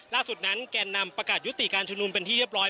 ล่าสุดนั้นแก่นนำประกาศยุติการชุมนุมเป็นที่เรียบร้อย